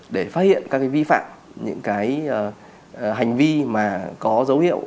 để phát hiện các vi phạm những hành vi có dấu hiệu